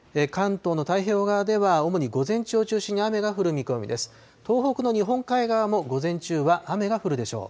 東北の日本海側も午前中は雨が降るでしょう。